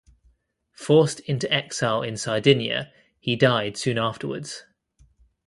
Forced into exile in Sardinia, he died soon afterwards.